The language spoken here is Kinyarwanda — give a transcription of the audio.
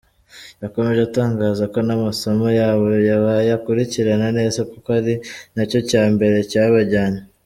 Yakomeje atangaza ko n’amasomo yabo bayakurikirana neza kuko ari nacyo cya mbere cyabajyanye.